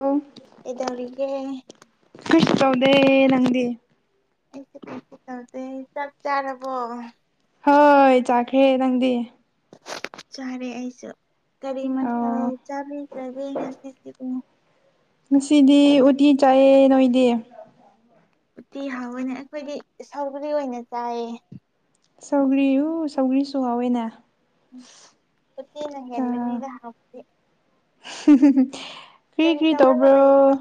ꯑ ꯏꯧꯔꯒ ꯀꯩꯁꯨ ꯇꯧꯗꯦ ꯅꯪꯗꯤ ꯆꯞ ꯆꯥꯔꯕꯣ ꯍꯣꯏ ꯆꯥꯈꯦ ꯅꯪꯗꯤ ꯆꯥꯔꯦ ꯑꯩꯁꯨ ꯀꯔꯤꯃꯊ ꯑꯣ ꯆꯥꯕꯤꯈ꯭ꯔꯒꯦ ꯉꯁꯤꯗꯤ ꯉꯁꯤꯗꯤ ꯎꯇꯤ ꯆꯥꯏꯌꯦ ꯅꯣꯏꯗꯤ ꯎꯇꯤ ꯍꯥꯎ ꯑꯣꯏꯅ ꯑꯩꯈꯣꯏꯗꯤ ꯁꯥꯎꯒꯔꯤ ꯑꯣꯏꯅ ꯆꯥꯏ ꯁꯧꯒ꯭ꯔꯤ ꯁꯧꯒ꯭ꯔꯤꯁꯨ ꯍꯥꯎꯋꯦꯅꯦ ꯎꯝ ꯁꯇ ꯅꯪ ꯍꯃꯤꯅꯤꯒ ꯍꯥꯇꯦ ꯀ꯭ꯔꯤ ꯀ꯭ꯔꯤ ꯇꯧꯔꯒ ꯇꯧꯕ꯭ꯔꯣ ꯂꯩꯕ꯭ꯔꯣ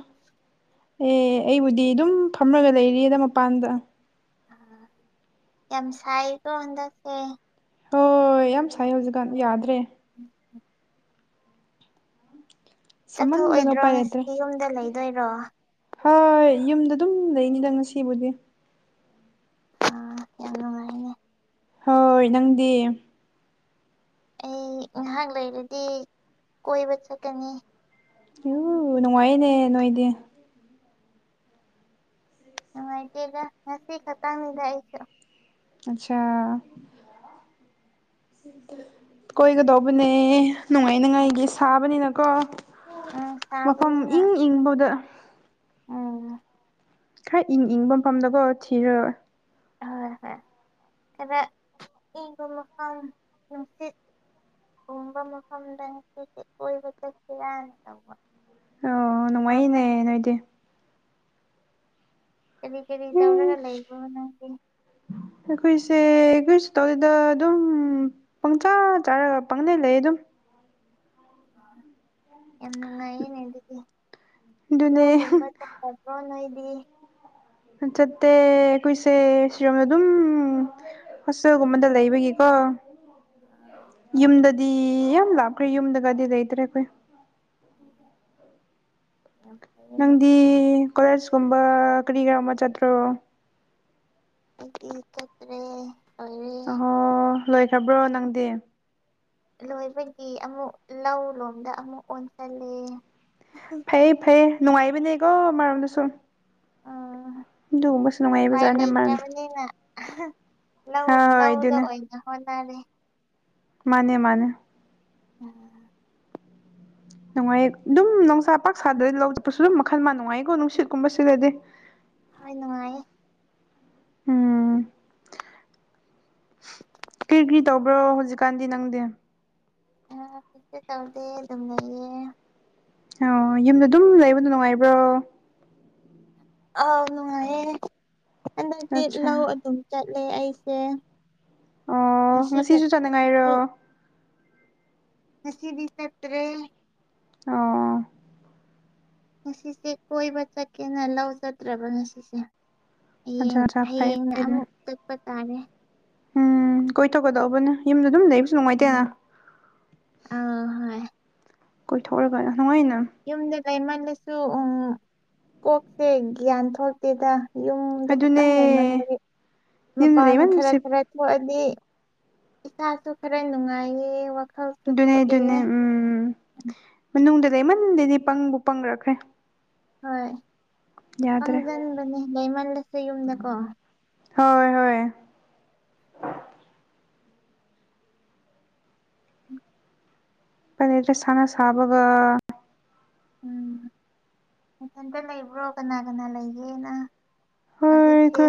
ꯑꯦ ꯑꯩꯕꯨꯗꯤ ꯑꯗꯨꯝ ꯐꯝꯃꯒ ꯂꯩꯔꯤꯗ ꯃꯄꯥꯟꯗ ꯁ ꯀꯗꯁꯦ ꯍꯣꯏ ꯌꯥꯝ ꯁꯥꯏ ꯍꯧꯖꯤꯛꯀꯥꯟ ꯌꯥꯗ꯭ꯔꯦ ꯎꯝ ꯁꯥꯃꯟꯗꯅ ꯆꯠꯊꯣꯛꯑꯣꯏꯗ꯭ꯔꯣ ꯎꯄꯥꯏ ꯂꯩꯇ꯭ꯔꯦ ꯉꯁꯤ ꯌꯨꯝꯗ ꯂꯩꯗꯣꯏꯔꯣ ꯍꯣꯏ ꯌꯨꯝꯗ ꯑꯗꯨꯝ ꯂꯩꯅꯤꯗ ꯉꯁꯤꯕꯨꯗꯤ ꯑꯥ ꯌꯥꯝ ꯅꯨꯡꯉꯥꯏꯅꯦ ꯍꯣꯏ ꯅꯪꯗꯤ ꯑꯩ ꯉꯍꯥꯛ ꯂꯩꯔꯗꯤ ꯀꯣꯏꯕ ꯆꯠꯀꯅꯤ ꯌꯨ ꯅꯨꯡꯉꯥꯏꯌꯦꯅꯦ ꯅꯣꯏꯗꯤ ꯅꯨꯡꯉꯥꯏꯇꯦꯗ ꯉꯁꯤ ꯈꯇꯪꯗ ꯑꯩꯁꯨ ꯑꯆꯥ ꯀꯣꯏꯒꯗꯧꯕꯅꯦ ꯅꯨꯡꯉꯥꯏꯅꯤꯉꯥꯏꯒꯤ ꯁꯥꯕꯅꯤꯅꯀꯣ ꯎꯝ ꯃꯐꯝ ꯁꯥꯕꯅꯤꯅ ꯏꯪ ꯏꯪꯕꯗ ꯎꯝ ꯈꯔ ꯏꯪ ꯏꯪꯕ ꯃꯐꯝꯗꯀꯣ ꯊꯤꯔꯣꯏ ꯍꯣꯏ ꯍꯣꯏ ꯈꯔ ꯏꯪꯕ ꯃꯐꯝ ꯅꯨꯡꯁꯤꯠ ꯀꯨꯝꯕ ꯃꯐꯝꯗ ꯉꯁꯤꯗꯤ ꯀꯣꯏꯕ ꯆꯠꯁꯤꯔꯥꯅ ꯇꯧꯕ ꯑꯣ ꯅꯨꯡꯉꯥꯏꯅꯦ ꯁꯥꯃꯟ ꯅꯣꯏꯗꯤ ꯀꯔꯤ ꯀꯔꯤ ꯇꯧꯔꯒ ꯂꯩꯕꯣ ꯏꯁ ꯅꯪꯗꯤ ꯀꯩꯁꯨ ꯇꯧꯗꯦꯗ ꯑꯗꯨꯝ ꯄꯪꯆꯥ ꯆꯥꯔꯒ ꯄꯪꯂꯩ ꯂꯩꯌꯦ ꯑꯗꯨꯝ ꯌꯥꯝ ꯅꯨꯪꯉꯥꯏꯌꯦꯅꯦ ꯑꯗꯨꯗꯤ ꯑꯗꯨꯅꯦ [unintelligible] ꯆꯠꯇꯦ ꯑꯩꯈꯣꯏꯁꯦ ꯁꯤꯔꯣꯝꯗ ꯑꯗꯨꯝ ꯍꯣꯁꯇꯦꯜꯒꯨꯝꯕꯗ ꯂꯩꯕꯒꯤꯀꯣ ꯌꯨꯝꯗꯗꯤ ꯌꯥꯝ ꯂꯥꯞꯈ꯭ꯔꯦ ꯌꯨꯝꯗꯒꯗꯤ ꯂꯩꯇ꯭ꯔꯦ ꯑꯩꯈꯣꯏ ꯎꯝ ꯅꯪꯗꯤ ꯀꯣꯂꯦꯖꯀꯨꯝꯕ ꯀꯔꯤ ꯀꯔ ꯑꯃ ꯆꯠꯇ꯭ꯔꯣ ꯑꯩꯗꯤ ꯆꯠꯇꯔꯦ ꯑꯍꯣ ꯂꯣꯏꯈ꯭ꯔꯕ꯭ꯔꯣ ꯅꯪꯗꯤ ꯂꯣꯏꯕꯒꯤ ꯑꯃꯨꯛ ꯂꯧ ꯂꯣꯝꯗ ꯑꯃꯨꯛ ꯑꯣꯟꯁꯤꯜꯂꯦ ꯐꯩꯌꯦ ꯐꯩꯌꯦ ꯅꯨꯡꯉꯥꯏꯕꯅꯦꯀꯣ ꯃꯔꯝꯗꯁꯨꯨꯝ ꯎꯝ ꯑꯗꯨꯒꯨꯝꯕꯁꯨ ꯎꯄꯥꯏ ꯅꯨꯡꯉꯥꯏꯕꯖꯥꯠꯅꯤ [unintelligible] ꯂꯩꯇ꯭ꯔꯕꯅꯤꯅ ꯂꯧ ꯂꯧꯗ ꯑꯣꯏꯅ ꯍꯣꯠꯅꯔꯦ ꯃꯥꯅꯦ ꯃꯥꯅꯦ ꯎꯝ ꯅꯨꯡꯉꯥꯏ ꯑꯗꯨꯝ ꯅꯨꯡꯁꯥ ꯄꯥꯛꯁꯥꯗꯔꯗꯤ ꯂꯧ ꯆꯠꯄꯁꯨ ꯑꯗꯨꯝ ꯃꯈꯜꯃ ꯅꯨꯡꯉꯥꯏꯌꯦꯀꯣ ꯅꯨꯡꯁꯤꯠꯀꯨꯝꯕ ꯁꯤꯠꯂꯥꯗꯤ ꯍꯣꯏ ꯅꯨꯡꯉꯥꯏꯌꯦ ꯎꯝ ꯀꯔꯤ ꯀꯔꯤ ꯇꯧꯕ꯭ꯔꯣ ꯍꯧꯖꯤꯛꯀꯥꯟꯗꯤ ꯅꯪꯗꯤ [unintelligible] ꯇꯧꯗꯦ ꯑꯗꯨꯝ ꯂꯩꯌꯦ ꯑꯣ ꯌꯨꯝꯗ ꯑꯗꯨꯝ ꯂꯩꯕꯗꯣ ꯅꯨꯡꯉꯥꯏꯕ꯭ꯔꯣ ꯑꯥꯎ ꯅꯨꯡꯉꯥꯏꯌꯦ ꯍꯟꯗꯛꯇꯤ ꯑꯠꯆꯥ ꯂꯧ ꯑꯗꯨꯝ ꯆꯠꯂꯦ ꯑꯩꯁꯦ ꯑꯣ ꯉꯁꯤ ꯈꯛ ꯉꯁꯤꯁꯨ ꯆꯠꯅꯤꯡꯉꯥꯏꯔꯣ ꯉꯁꯤꯗꯤ‌ ꯆꯠꯇꯔꯦ ꯑꯣ ꯉꯁꯤꯁꯦ ꯀꯣꯏꯕ ꯆꯠꯀꯦꯅ ꯂꯧ ꯆꯠꯇꯔ꯭ꯕ ꯉꯁꯤꯁꯦ ꯑꯆꯥ ꯑꯆꯥ ꯐꯩꯌꯦ ꯐꯩꯌꯦ ꯇꯥꯅꯦ ꯎꯝ ꯀꯣꯏꯊꯣꯛꯒꯗꯧꯕꯅꯦ ꯌꯨꯝꯗ ꯑꯗꯨꯝ ꯂꯩꯕꯁꯨ ꯅꯨꯡꯉꯥꯏꯇꯦꯅ ꯎꯝ ꯑꯥ ꯍꯣꯏ ꯀꯣꯏꯊꯣꯛꯔꯒꯅ ꯅꯨꯡꯉꯥꯏꯅ ꯌꯨꯝꯗ ꯂꯩꯃꯜꯂꯁꯨ ꯎꯝ ꯀꯣꯛꯁꯦ ꯒ꯭ꯌꯥꯟ ꯊꯣꯛꯇꯦꯗ ꯌꯨꯝꯗ ꯈꯛꯇꯪ ꯑꯗꯨꯅꯦ ꯂꯩꯃꯟꯕꯒꯤ ꯌꯨꯝꯗ ꯃꯄꯥꯟ ꯈꯔ ꯂꯩꯃꯟꯕꯁꯦ ꯈꯔ ꯊꯣꯛꯑ ꯗꯤ ꯏꯁꯥꯁꯨ ꯈꯔ ꯅꯨꯡꯉꯥꯏꯌꯦ ꯋꯥ ꯨꯗꯨꯅꯦ ꯗꯨꯅꯦ ꯎꯝ ꯃꯅꯨꯡꯗ ꯂꯩꯃꯟꯗꯗꯤ ꯄꯪꯕꯨ ꯄꯪꯂꯛꯈ꯭ꯔꯦ ꯍꯣꯏ ꯄꯪꯁꯤꯟꯕꯅꯦ ꯂꯩꯃꯜꯕꯁꯦ ꯌꯨꯝꯗꯀꯣ ꯍꯣꯏ ꯍꯣꯏ ꯀꯔꯤꯗ ꯁꯥꯟꯅ ꯁꯥꯕꯒ ꯎꯝ ꯃꯊꯟꯇ ꯂꯩꯕ꯭ꯔꯣ ꯀꯅꯥ ꯀꯅꯥ ꯂꯩꯒꯦꯅ ꯑꯗꯨꯖꯤꯁ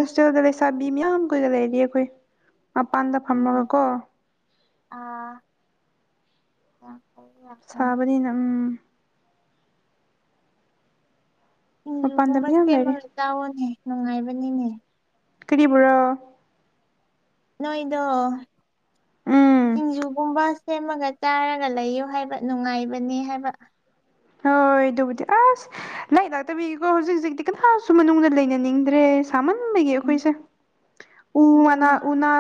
ꯆ ꯆꯥꯕꯤ ꯃꯌꯥꯝ ꯀꯨꯏꯔ ꯂꯩꯔꯤ ꯑꯩꯈꯣꯏ ꯃꯄꯥꯟꯗ ꯐꯝꯃꯒ ꯀꯣ ꯑꯥ ꯁꯥꯕꯅꯤꯅ ꯎꯝ ꯃꯄꯥꯟꯗ ꯁꯤꯡꯖꯨꯒꯨꯝꯕ ꯃꯌꯥꯝ ꯂꯩꯔꯤ ꯁꯦꯝꯃꯒ ꯇꯥꯛꯑꯣꯅꯦ ꯅꯨꯡꯉꯥꯏꯕꯅꯤꯅꯦ ꯀꯔꯤ ꯄꯨ꯭ꯔꯣ ꯅꯣꯏꯗ ꯎꯝ ꯁꯤꯡꯖꯨꯒꯨꯝꯕ ꯁꯦꯝꯃꯒ ꯇꯥꯔꯒ ꯂꯩꯌꯨ ꯍꯥꯏꯕ ꯅꯨꯡꯉꯥꯏꯕꯅꯦ ꯍꯥꯏꯕ ꯍꯣꯏ ꯑꯗꯨꯕꯨꯗꯤ ꯑꯁ ꯂꯥꯏꯔꯤꯛ ꯂꯥꯛꯇꯕꯤꯒꯤꯀꯣ ꯍꯧꯖꯤꯛ ꯍꯧꯖꯤꯛꯇꯤ ꯀꯅꯥꯁꯨ ꯃꯅꯨꯡꯗ ꯂꯩꯅꯅꯤꯡꯗ꯭ꯔꯦ ꯊꯃꯟꯕꯒꯤ ꯎꯝ ꯑꯩꯈꯣꯏꯁꯦ ꯎ ꯋꯥꯅꯥ ꯑꯗꯨꯅꯤ ꯎꯅꯥ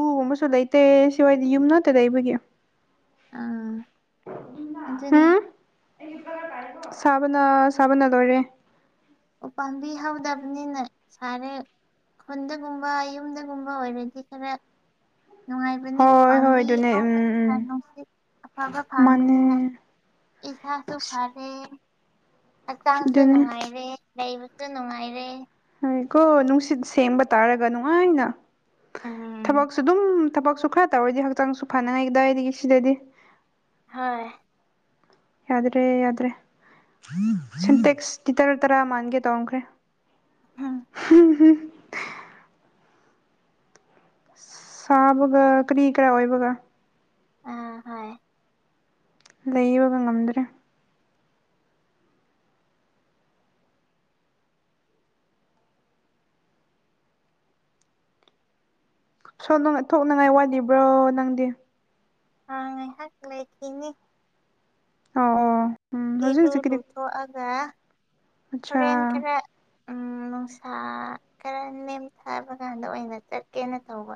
ꯎꯒꯨꯝꯕꯁꯨ ꯂꯩꯇꯦ ꯁꯤꯋꯥꯏꯗꯤ ꯌꯨꯝ ꯅꯠꯇ ꯂꯩꯕꯒꯤ ꯑꯥ ꯑ ꯁꯕꯅ ꯁꯕꯅꯗꯣꯣꯔꯦ ꯎꯄꯥꯝꯕꯤ ꯍꯧꯗꯕꯅꯤꯅ ꯁꯥꯔꯦ ꯈꯨꯟꯗꯒꯨꯝꯕ ꯌꯨꯝꯗꯒꯨꯝꯕ ꯑꯣꯏꯔꯗꯤ ꯈꯔ ꯅꯨꯡꯉꯥꯏꯕꯅꯤ ꯍꯣꯏ ꯍꯣꯏ ꯎꯄꯥꯝꯕꯤ ꯑꯗꯨꯅꯦ ꯎꯝ ꯍꯥꯎꯕꯅꯤ ꯎꯝ ꯅꯨꯡꯁꯤꯠ ꯑꯐꯕ ꯐꯪꯕꯅꯤꯅ ꯃꯥꯅꯦ ꯏꯁꯁꯨ ꯐꯔꯦ ꯍꯛꯆꯥꯡꯁꯨ ꯑꯗꯨꯅꯦ ꯅꯨꯡꯉꯥꯏꯔꯦ ꯂꯩꯕꯁꯨ ꯅꯨꯡꯉꯥꯏꯔꯦ ꯍꯥꯏꯀꯣ ꯅꯨꯡꯁꯤꯠ ꯁꯦꯝꯕ ꯇꯥꯔꯒ ꯅꯨꯡꯉꯥꯏꯅ ꯎꯝ ꯊꯕꯛꯁꯨ ꯑꯗꯨꯝ ꯊꯕꯛꯁꯨ ꯈꯔ ꯇꯧꯔꯗꯤ ꯍꯛꯆꯥꯡꯁꯨ ꯐꯅꯉꯥꯏꯗꯋꯥꯏꯗꯒꯤ ꯁꯤꯗꯗꯤ ꯍꯣꯏ ꯌꯥꯗ꯭ꯔꯦ ꯌꯥ꯭ꯔꯦ ꯁꯤꯟꯇꯦꯛꯁꯇꯤ ꯇꯔ ꯇꯔꯥ ꯃꯥꯟꯒꯦ ꯇꯧꯔꯝꯈ꯭ꯔꯦ ꯎꯝ [unintelligible] ꯁꯥꯕꯒ ꯀꯔꯤ ꯀꯥ ꯑꯣꯏꯏꯕꯒ ꯑꯥ ꯍꯣꯏ ꯂꯩꯌꯨꯒꯥ ꯉꯝꯗ꯭ꯔꯦ ꯁꯣ ꯊꯣꯛꯅꯉꯥꯏ ꯋꯥꯂꯤꯕ꯭ꯔꯣ ꯅꯪꯗꯤ ꯑ ꯉꯥꯏꯍꯥꯛ ꯂꯩꯈꯤꯅꯤ ꯑꯣ ꯑꯣ ꯎꯝ ꯍꯧꯖꯤꯛ ꯏꯔꯨ ꯍꯧꯖꯤꯛꯀꯤꯗꯤ ꯂꯨꯊꯣꯛꯑꯒ ꯍꯣꯔꯦꯟ ꯑꯠꯆꯥ ꯈꯔꯥ ꯎꯝ ꯅꯨꯡꯁꯥ ꯈꯔ ꯅꯦꯝꯊꯕ ꯀꯥꯟꯗ ꯑꯣꯏꯅ ꯆꯠꯀꯦꯅ ꯇꯧꯕ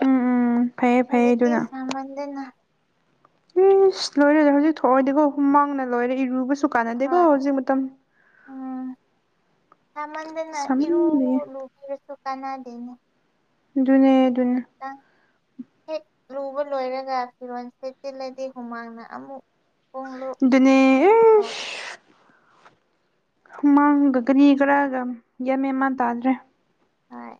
ꯎꯝ ꯎꯝ ꯐꯩꯌꯦ ꯐꯩꯌꯦ ꯍꯧꯖꯤꯀꯤ ꯑꯗꯨꯅ ꯁꯃꯟꯗꯅ ꯏꯁ ꯂꯣꯏꯔꯦ ꯍꯧꯖꯤꯛ ꯊꯣꯛꯑꯣꯏꯗꯤꯀꯣ ꯍꯨꯃꯥꯡꯅ ꯂꯣꯏꯔꯦ ꯏꯔꯨꯕ ꯀꯟꯅꯗꯦꯀꯣ ꯍꯣꯏ ꯍꯧꯖꯤꯛ ꯃꯇꯝ ꯎꯝ ꯁꯥꯃꯟꯗꯅ ꯏꯔꯨ ꯁꯥꯃꯟꯕꯒꯤ ꯂꯨꯕꯤꯔꯁꯨ ꯀꯥꯟꯅꯗꯦꯅꯤ ꯗꯨ ꯑꯗꯨꯅꯦ ꯍꯦꯛ ꯂꯨꯕ ꯂꯣꯏꯔꯒ ꯐꯤꯔꯣꯜ ꯁꯦꯠꯆꯤꯜꯂꯗꯤ ꯍꯨꯃꯥꯡꯅ ꯑꯃꯨꯛ ꯄꯨꯡꯂꯨꯞ ꯗꯨꯅꯦ ꯏꯁ ꯇꯧ ꯃꯥꯡꯒ ꯀꯔꯤ ꯀꯔꯒꯥ ꯌꯥꯝꯃꯦ ꯃꯥꯟ ꯇꯥꯗ꯭ꯔꯦ ꯍꯣꯏ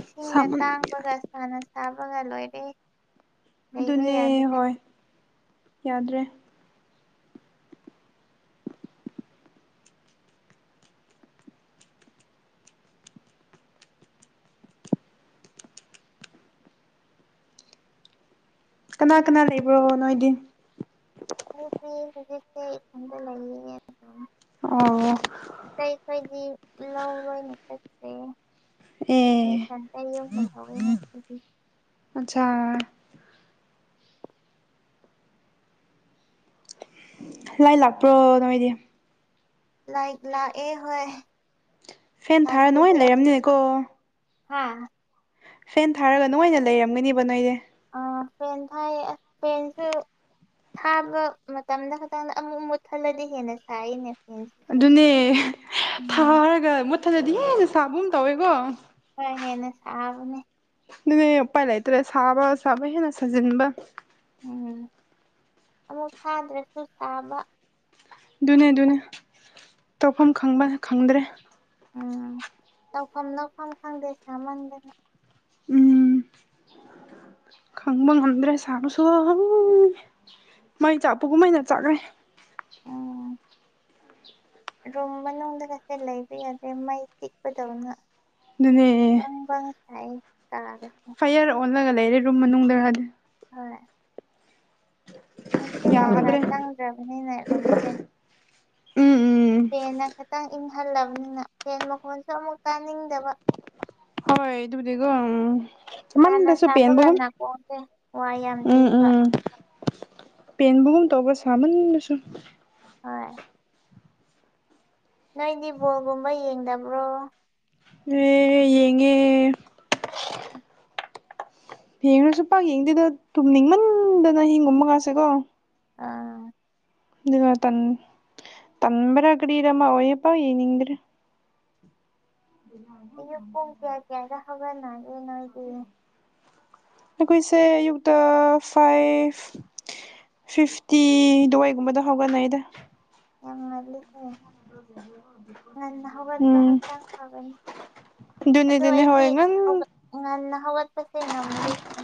ꯏꯁꯤꯡꯅ ꯁꯥꯃꯟ ꯇꯥꯡꯕꯒ ꯁꯥꯅ ꯁꯥꯕꯒ ꯂꯣꯏꯔꯦ ꯂꯩꯕ ꯑꯗꯨꯅꯦ ꯌꯥꯗ꯭ꯔꯦ ꯍꯣꯏ ꯌꯥꯗ꯭ꯔꯦ ꯀꯅꯥ ꯀꯅꯥ ꯂꯩꯕ꯭ꯔꯣ ꯅꯣꯏꯗꯤ ꯑꯩꯗꯤ ꯍꯧꯖꯤꯛꯇꯤ ꯀꯗ ꯂꯩꯌꯦꯅꯦ ꯑꯣ ꯀꯩ ꯀꯩꯗꯤ ꯂꯥꯎ ꯔꯣꯏ ꯆꯠꯈꯔꯦ ꯑꯩ ꯑꯦ ꯏꯊꯟ ꯇꯥ ꯌꯨꯝ ꯂꯩꯍꯧ ꯌꯦꯅꯦ ꯉꯁꯤꯗꯤ ꯑꯆꯥ ꯂꯥꯏ ꯂꯥꯛꯄ꯭ꯔꯣ ꯅꯣꯏꯗꯤ ꯂꯥꯏ ꯂꯛ ꯑꯦ ꯍꯣꯏ ꯐꯦꯟ ꯊꯥꯔ ꯅꯣꯏ ꯂꯩꯔꯝꯅꯤꯅꯦꯀꯣ ꯍꯥꯥ ꯐꯦꯟ ꯊꯥꯔꯒ ꯅꯣꯏꯅ ꯂꯩꯔꯝꯒꯅꯤꯕ ꯅꯣꯏꯗꯤ ꯑ ꯐꯦꯟ ꯊꯥꯏꯌꯦ ꯐꯦꯟꯁꯨ ꯊꯥꯕ ꯃꯇꯝꯗ ꯈꯛꯇꯪꯗ ꯑꯃꯨꯛ ꯃꯨꯠ ꯊꯠꯂꯗꯤ ꯍꯦꯟꯅ ꯁꯥꯏꯅꯦ ꯐꯦꯟꯁꯤꯁꯨ ꯑꯗꯨꯅꯦ ꯎꯝ ꯊꯥꯔꯒ ꯃꯨꯊꯠꯂꯗꯤ ꯍꯦꯟꯅ ꯁꯥꯕꯒꯨꯝ ꯇꯧꯋꯦꯀꯣ ꯈꯔ ꯍꯦꯟꯅ ꯁꯥꯕꯅꯤ ꯑꯗꯨꯅꯦ ꯎꯄꯥꯏ ꯂꯩꯇ꯭ꯔꯦ ꯁꯥꯕ ꯁꯥꯕ ꯍꯦꯟꯅ ꯁꯥꯖꯤꯟꯕ ꯎꯝ ꯑꯃꯨꯛ ꯊꯥꯗ꯭ꯔꯁꯨ ꯁꯥꯕ ꯑꯗꯨꯅꯦ ꯑꯗꯨꯅꯦ ꯇꯧꯐꯝ ꯈꯪꯕ ꯈꯪꯗ꯭ꯔꯦ ꯎꯝ ꯇꯧꯐꯝ ꯂꯛꯐꯝ ꯈꯪꯗꯦ ꯁꯥꯃꯟꯗꯅ ꯎꯝ ꯈꯪꯕ ꯉꯗ꯭ꯔꯦ ꯁꯥꯕꯁꯨ ꯎꯝ ꯃꯩ ꯆꯥꯛꯄ ꯀꯨꯝ ꯃꯩ ꯆꯥꯛꯈ꯭ꯔꯦ ꯎꯝ ꯔꯨꯝ ꯃꯅꯨꯡꯗ ꯀꯁꯦ ꯂꯩꯕ ꯌꯥꯗꯦ ꯃꯩ ꯇꯤꯛꯄꯗꯧꯅ ꯗꯨꯅꯦ ꯕꯪ ꯕꯪ ꯀꯥꯒꯁꯦ ꯆꯠꯂꯒ ꯂꯩꯔꯦ ꯔꯨꯝ ꯃꯅꯨꯡꯗꯔꯗꯤ ꯍꯣꯏ ꯅꯨꯡꯁꯤ ꯅꯨꯡꯁꯥ ꯌꯥꯗ꯭ꯔꯦ ꯆꯪꯗ꯭ꯔꯕꯅꯤꯅ ꯔꯨꯝꯁꯦ ꯎꯝ ꯎꯝ ꯐꯦꯟꯅ ꯈꯤꯇꯪ ꯏꯪꯍꯜꯂꯕꯅꯤꯅ ꯐꯦꯟ ꯃꯈꯣꯟꯁꯨ ꯑꯃꯨꯛ ꯇꯥꯅꯤꯡꯗꯕ [inaudible] ꯍꯣꯏꯗꯨꯕꯨꯗꯤꯒꯣ ꯎꯝ ꯁꯥꯅ ꯏꯃꯗꯁꯣ ꯁꯥꯕꯒ ꯄꯦꯟꯕꯒꯣꯟ ꯅꯥꯀꯣꯡꯁꯦ ꯋꯥ ꯌꯥꯝ ꯎꯝ ꯆꯤꯟꯕ ꯎꯝ ꯎ ꯄꯦꯟꯕꯒꯨꯝ ꯇꯧꯕ ꯁꯥꯃꯟꯕꯁꯨ ꯍꯣꯏ ꯅꯪꯗꯤ ꯕꯣꯜꯒꯨꯝꯕ ꯌꯦꯡꯗꯕ꯭ꯔꯣ ꯑꯦ ꯌꯦꯡꯉꯦ ꯌꯦꯡꯨꯔꯁꯨ ꯄꯥꯛ ꯌꯦꯡꯗꯦꯗ ꯇꯨꯝꯅꯤꯡꯃꯟꯗꯅ ꯍꯤꯡꯒꯨꯝꯕ ꯉꯥꯁꯦꯀꯣ ꯑꯥ ꯏ ꯇꯟ ꯇꯟꯝꯕꯔ ꯀꯔꯃ ꯑꯣꯄꯥꯥꯎ ꯌꯦꯅꯤ꯭ꯔꯦ ꯑꯌꯨꯛ ꯄꯨꯡ ꯀꯌꯥ ꯀꯌꯥꯗ ꯍꯧꯒꯠꯅꯒꯦ ꯅꯣꯏꯒꯤ ꯑꯩꯈꯣꯏꯁꯦ ꯑꯌꯨꯛꯛꯇ ꯐꯥꯏꯚ ꯐꯤꯐꯇꯤꯗꯨꯋꯥꯏꯒꯨꯝꯕꯗ ꯍꯧꯒꯠꯅꯤ ꯑꯩꯗ ꯌꯥꯝ ꯑꯂꯤ ꯍ ꯎꯝ ꯑꯣ ꯑꯗꯨꯅꯦ ꯑꯗꯨꯅꯦ ꯍꯣꯏ ꯑꯩꯒꯤ ꯉꯟ ꯉꯟꯅ ꯍꯧꯒꯠꯄꯁꯦ ꯉꯝꯗꯦꯅꯦ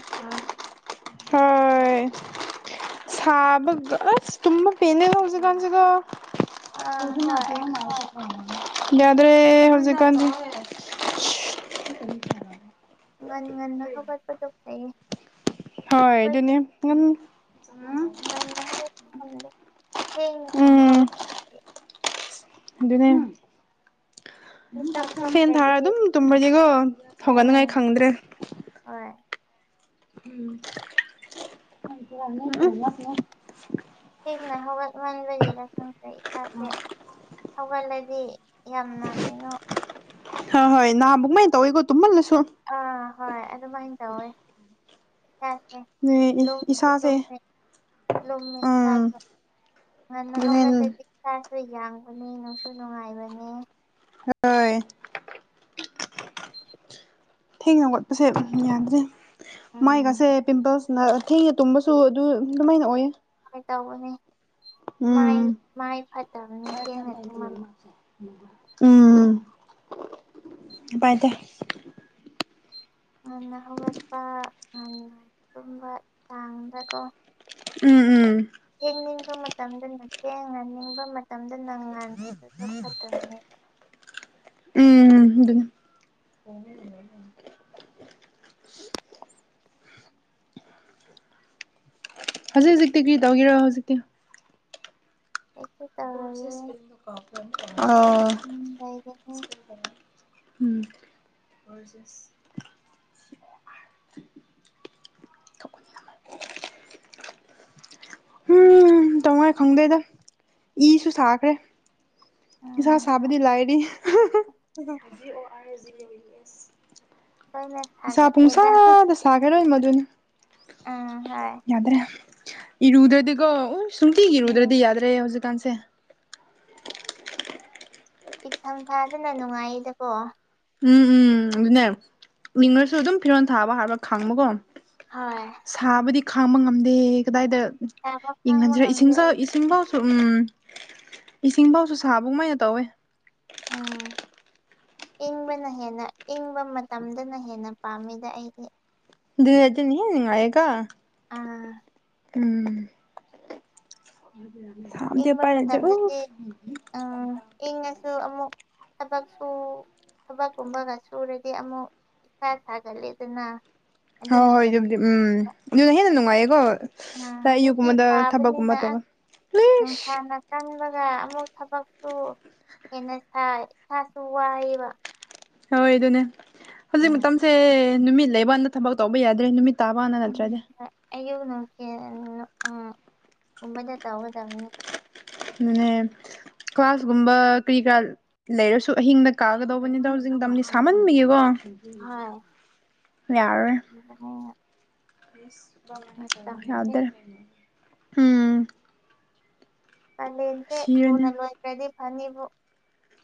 ꯍꯣꯏ ꯁꯥꯕꯒꯁ ꯇꯨꯝ ꯄꯦꯅꯗ ꯍꯧꯁꯤ ꯀꯥꯟꯁꯤꯒ ꯑꯥ ꯇꯗꯤ ꯍꯣꯏ ꯅꯠꯇꯅ ꯌꯥꯗꯔꯦ ꯍꯔꯁꯤꯀꯥꯟ ꯉꯟ ꯉꯟꯅ ꯍꯧꯒꯠꯄꯗꯨꯣ ꯐꯩꯌꯦ ꯍ ꯑꯗꯨꯅꯦ ꯃꯅ ꯍ ꯍ ꯍ ꯑꯗꯨꯗꯨꯅꯦ ꯃꯤꯀꯞ ꯐꯦꯟ ꯊꯥꯔ ꯊꯣꯛꯇ꯭ꯔꯗꯤ ꯑꯗꯨꯝ ꯇꯨꯝꯕꯗꯤꯒꯣ ꯎꯝ ꯍꯧꯒꯠꯅꯤꯉꯥꯏ ꯈꯪꯗ꯭ꯔꯦ [unintelligible] ꯍꯣꯏ ꯎꯝꯅꯤ ꯁꯦꯡꯅ ꯍꯧꯒꯠꯃꯟꯕꯒꯤꯗ ꯈꯪꯗ꯭ꯔꯦ ꯏꯁꯥꯁꯦ ꯊꯒꯜꯂꯗꯤ ꯌꯥꯝꯅ ꯀꯩꯅꯣ ꯍ ꯍꯣꯏ ꯅꯅꯥ ꯕꯨꯛꯃꯥꯏ ꯇꯧ ꯏꯒꯣ ꯇꯨꯝꯜ ꯂ ꯑꯥ ꯍꯣꯏ ꯑꯗꯨꯃꯥꯏꯅ ꯇꯧꯋꯦ ꯏꯁꯥꯁꯦ ꯑ ꯏꯁꯥꯥꯁꯦ ꯂꯃꯤ ꯊꯥꯁꯅ ꯑꯗꯨꯅꯦ ꯍꯗꯤ ꯆ ꯌꯥꯡꯕꯅꯦ ꯅꯨꯡꯁꯨ ꯅꯨꯡꯉꯥꯏꯕꯅꯦ ꯍ ꯊꯦꯡꯅꯒꯠꯄꯁꯦ ꯌꯥꯗ꯭ꯔꯦ ꯎꯝ ꯃꯥꯏꯒꯁꯦ ꯄꯤꯝꯄꯜꯁꯅ ꯊꯦꯡꯅ ꯇꯨꯝꯕꯁꯨ ꯑꯗꯨ ꯑꯗꯨꯃꯥꯏꯅ ꯑꯣꯏꯌꯦ ꯍꯣꯏ ꯇꯧꯕꯅꯦ ꯎꯝ ꯃꯥꯏ ꯐꯠꯇꯕꯅꯤ ꯊꯦꯡꯅ ꯑꯗꯨꯂ ꯎꯝ ꯄꯥꯏꯇ ꯉꯟꯅ ꯍꯧꯒꯠꯄ ꯉ ꯇꯨꯝꯕ ꯆꯥꯡꯗꯀꯣ ꯎꯝ ꯎꯝ ꯊꯦꯡꯅꯤꯡꯕ ꯃꯇꯝꯗꯅ ꯊꯦꯡꯅꯅꯤꯡꯕ ꯃꯇꯝꯗ ꯅꯪꯉꯥꯟ ꯑꯗꯨꯗ ꯐꯠꯇꯕꯅꯦꯕ ꯍꯉ ꯍꯧꯖꯤꯛ ꯍꯧꯖꯤꯛꯇꯤ ꯀꯔꯤ ꯇꯧꯒꯦꯔꯣ ꯍꯧꯖꯤꯛꯇꯤ ꯑꯩꯁꯨ ꯇꯧꯔꯒꯦ ꯑ ꯎꯝ ꯍ ꯆꯁ [inaudible] ꯎꯝ ꯇꯃꯣꯏ ꯈꯪꯗꯣꯏꯗ ꯏꯁꯨ ꯁꯥꯈ꯭ꯔꯦ ꯎꯝ ꯍꯣꯏ ꯁꯕꯗꯤ ꯂꯥꯏꯔꯤ ꯂꯣꯏꯅ ꯅꯤꯁꯥ ꯁꯥꯒꯠꯂꯦꯗ ꯄꯨꯡꯁꯥꯗ ꯁꯥꯒꯔꯣꯏ ꯃꯗꯨꯅ ꯎꯝ ꯍꯣꯏ ꯌꯥꯗ꯭ꯔꯦ ꯏꯔꯨꯗ꯭ꯔꯗꯤꯀꯣ ꯎ ꯁꯨꯡꯇꯤ ꯎꯝ ꯏꯔꯨꯗ꯭ꯔꯗꯤ ꯌꯥꯗ꯭ꯔꯦ ꯍꯧꯖꯤꯛꯀꯥꯟꯁꯦ ꯏꯊꯝ ꯐꯥꯗꯅ ꯅꯨꯡꯉꯥꯏꯗꯀꯣ ꯎꯝ ꯎꯝ ꯑꯗꯨꯅꯦ ꯃꯤꯉꯁꯨ ꯑꯗꯨꯝ ꯐꯤꯔꯣꯜ ꯊꯥꯕ ꯍꯥꯏꯕ ꯈꯪꯕꯀꯣ ꯍꯣꯏ ꯁꯥꯕꯨꯗꯤ ꯈꯥꯡꯕ ꯉꯝꯗꯦ ꯀꯗꯥꯏꯗ ꯁꯥꯕ ꯈꯥꯡꯕ ꯏꯪꯍꯟꯁꯤꯔꯦ ꯉꯝꯗꯦ ꯏꯁꯤꯡꯁ ꯑꯩ ꯏꯁꯤꯡꯐꯥꯎ ꯎꯝ ꯏꯁꯤꯡꯐꯥꯎꯁꯨ ꯁꯥꯕꯧ ꯃꯅ ꯇꯧꯋꯦ ꯎꯝ ꯏꯪꯕꯅ ꯍꯦꯟꯅ ꯏꯪꯕ ꯃꯇꯝꯗꯅ ꯍꯦꯟꯅ ꯄꯥꯝꯃꯤꯗ ꯑꯩꯗꯤ ꯑꯗꯨꯨ ꯍꯗꯤꯅ ꯑꯑꯒ ꯑꯥ ꯎꯝ ꯁꯥꯕꯗꯤ ꯏꯪꯕ ꯎꯄꯥꯏ ꯂꯩꯇꯦ ꯃꯇꯝꯗꯗꯤ ꯎꯐ ꯎ ꯏꯪꯉꯁꯨ ꯑꯃꯨꯛ ꯊꯕꯛ ꯁ ꯊꯕꯛꯀꯨꯝꯕꯒ ꯁꯨꯔꯗꯤ ꯑꯃꯨꯛ ꯏꯁꯥ ꯁꯥꯒꯂ ꯑꯗꯨꯅ ꯍꯣꯏ ꯍꯣꯏ ꯍꯦꯟꯅ ꯑꯗꯨꯕꯨꯗꯤ ꯎꯝ ꯑꯗꯨꯅ ꯍꯦꯟꯅ ꯅꯨꯡꯉꯥꯏꯌꯦꯀꯣ ꯎꯝ ꯍꯧꯖꯤꯛꯇꯤ ꯌꯌꯨꯒꯨꯝꯕꯗ ꯊꯕꯛꯀꯨꯝꯕ ꯁꯥꯕꯅꯤꯅ ꯇꯧ ꯄꯨꯟꯕꯒ ꯑꯃꯨꯛ ꯊꯕꯛꯁꯨ ꯍꯦꯟꯅ ꯁꯥꯏ ꯏꯁꯥꯁꯨ ꯋꯥꯏꯑꯕ ꯍꯣꯏ ꯑꯗꯨꯅꯦ ꯍꯧꯖꯤꯛ ꯃꯇꯝꯁꯦ ꯅꯨꯃꯤꯠ ꯂꯩꯕꯗ ꯊꯕꯛ ꯇꯧꯕ ꯌꯥꯗ꯭ꯔꯦ ꯅꯨꯃꯤꯠ ꯇꯥꯕꯅ ꯎꯝ ꯅꯠꯇ꯭ꯔꯗꯤ ꯍꯣꯏ ꯑꯌꯨꯛ ꯅꯨꯡꯊꯤꯜ ꯀꯨꯝꯕꯗ ꯇꯧꯒꯗꯕꯅꯤ ꯃꯅꯅꯦ ꯀ꯭ꯂꯥꯁꯒꯨꯝꯕ ꯀꯔꯤ ꯀꯔꯥ ꯂꯩꯔꯁꯨ ꯑꯍꯤꯡꯗ ꯀꯥꯒꯗꯧꯕꯅꯤꯗ ꯍꯧꯁꯤꯡꯤꯡ ꯇꯝꯅꯤ ꯁꯥꯃꯟꯕꯤꯒꯦꯀꯣ [inaudible] ꯎꯝ ꯌꯥꯗꯔ ꯎꯝ ꯑꯂꯦ ꯁꯤꯔꯅꯤ ꯐꯣꯅ ꯂ ꯏꯇ꯭ꯔꯗꯤ ꯐꯅꯤꯕ